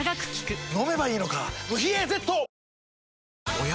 おや？